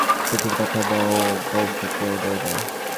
মধুসূদন জিজ্ঞাসা করলে, ডেস্কের চিঠির কথা বড়োবউকে কে বললে?